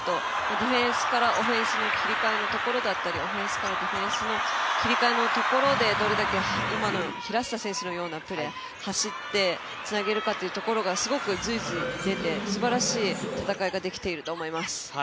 ディフェンスからオフェンスに切り替えのところだったりオフェンスからディフェンスの切り替えのところで、どれだけ今の平下選手のようなプレー走って、つなげるかっていうところが、すごく随所に出て、すばらしい戦いができていると思います。